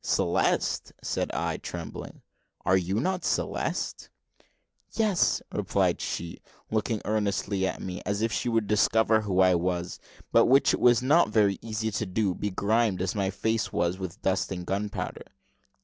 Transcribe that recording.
"Celeste," said I, trembling. "Are you not Celeste?" "Yes," replied she, looking earnestly at me, as if she would discover who I was, but which it was not very easy to do, begrimed as my face was with dust and gunpowder.